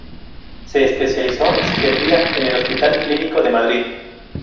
Se especializó en Psiquiatría en el Hospital Clínico de Madrid.